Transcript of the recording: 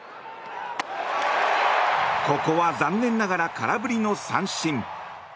ここは残念ながら空振りの三振。